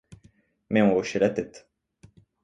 Mais on hochait la tête.